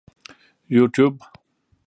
یوټیوب